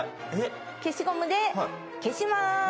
消しゴムで消しまーす。